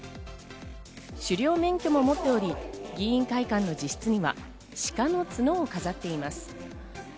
狩猟免許も持っており、議員会館の自室には鹿の角を飾っています。